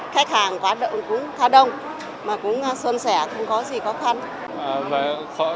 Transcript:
khách hàng quá đông khá đông mà cũng xuân xẻ không có gì khó khăn